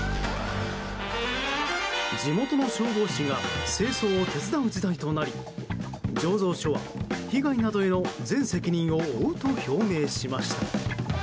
地元の消防士が清掃を手伝う事態となり醸造所は、被害などへの全責任を負うと表明しました。